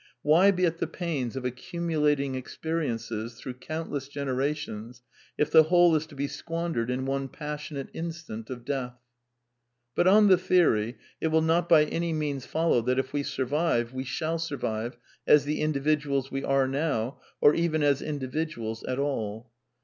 Why be at the pains of accumulating experiences through countless generations if the whole is to be squandered in one passionate instant of death ? But — on the theory — it will not by any means follow that, if we survive, we shall survive as the individuals we are now, or even as individuals at all.